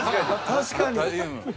確かに。